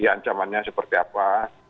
ya ancamannya seperti apa